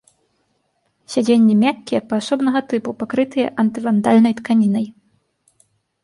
Сядзенні мяккія, паасобнага тыпу, пакрытыя антывандальнай тканінай.